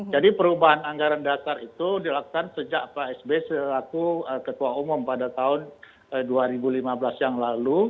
jadi perubahan anggaran dasar itu dilaksanakan sejak pak s b selaku ketua umum pada tahun dua ribu lima belas yang lalu